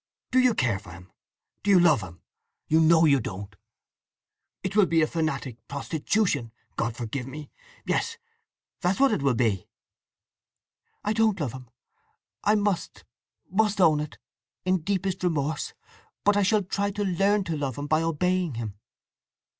Do you care for him? Do you love him? You know you don't! It will be a fanatic prostitution—God forgive me, yes—that's what it will be!" "I don't love him—I must, must, own it, in deepest remorse! But I shall try to learn to love him by obeying him."